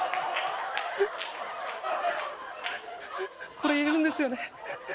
これいるんですよね